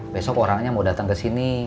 besok orangnya mau datang ke sini